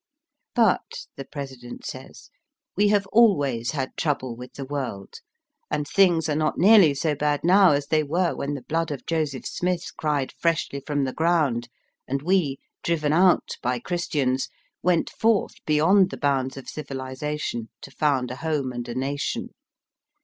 But," the President says, " we have always had trouble with the world, and things are not nearly so bad now as they were when the blood of Joseph Smith cried freshly from the ground, and we, driven out by Christians, went forth beyond the bounds of civilization to found a home and a nation.